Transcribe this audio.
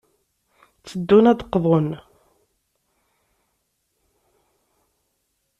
Tteddun ad d-qḍun.